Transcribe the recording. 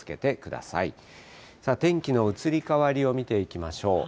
さあ、天気の移り変わりを見ていきましょう。